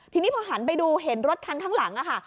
ทีนี้พอหันไปดูเห็นรถคันข้างหลังค่ะ